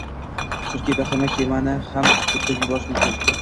chunki vahima kemani ham cho‘ktirib yuborishi mumkin.